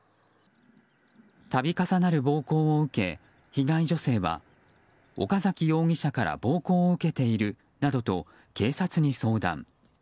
度重なる暴行を受け被害女性は岡崎容疑者から暴行を受けているなどと警察に相談。